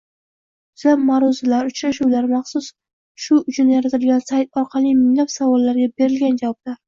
yuzlab ma’ruzalar, uchrashuvlar, maxsus shu uchun yaratilgan sayt orqali minglab savollarga berilgan javoblar...